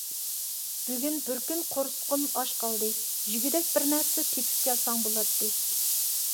بۈگۈن بىر كۈن قورسىقىم ئاچ قالدى، يېگۈدەك بىرنەرسە تېپىپ كەلسەڭ بولاتتى.